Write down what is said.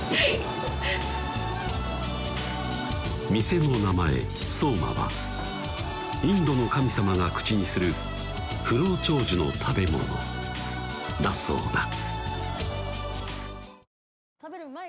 店の名前・ＳＯＭＡはインドの神様が口にする不老長寿の食べ物だそうだ